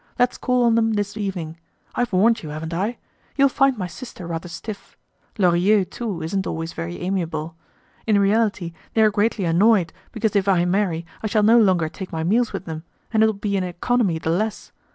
Let's call on them this evening. I've warned you, haven't I? You'll find my sister rather stiff. Lorilleux, too, isn't always very amiable. In reality they are greatly annoyed, because if I marry, I shall no longer take my meals with them, and it'll be an economy the less.